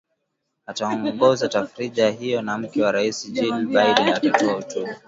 ataongoza tafrija hiyo na mke wa Rais Jill Biden atatoa hotuba